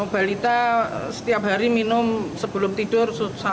balita setiap hari minum sebelum tidur